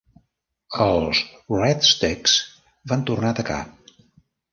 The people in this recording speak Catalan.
Els Red Sticks van tornar a atacar.